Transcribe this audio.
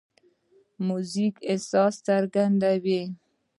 موزیک احساس څرګندوي.